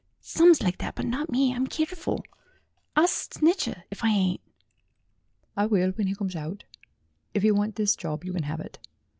Some's like that, but not me ; I'm keerf ul ; awst Snitcher if I ain't." "I will when he comes out. If you want this job, you can have it.